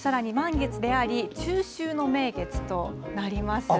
さらに満月であり中秋の名月となります。